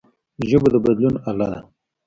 ژبه د بدلون اله ده